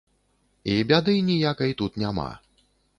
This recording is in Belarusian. І бяды ніякай тут няма.